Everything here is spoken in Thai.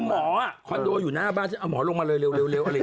คือหมอขอนโดอยู่หน้าบ้านหมอลงมาเลยเร็วอะไรอย่างนี้เลย